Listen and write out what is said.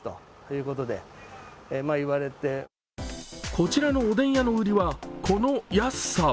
こちらのおでん屋の売りは、この安さ。